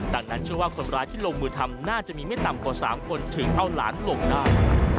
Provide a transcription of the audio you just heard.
ดังนั้นเชื่อว่าคนร้ายที่ลงมือทำน่าจะมีไม่ต่ำกว่า๓คนถึงเอาหลานลงได้